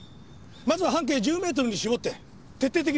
まずは半径１０メートルに絞って徹底的に捜索する。